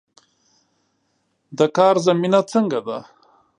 د کار زمینه څنګه ده؟